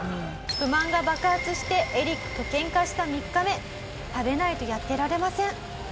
不満が爆発してエリックと喧嘩した３日目食べないとやってられません。